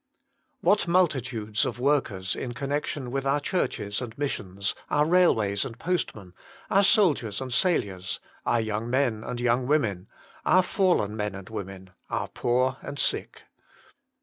What multitudes of workers in connection with our churches and missions, our railways and postmen, our soldiers and sailors, our young men and young women, our fallen men and women, our poor and sick.